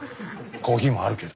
コーヒーもあるけど。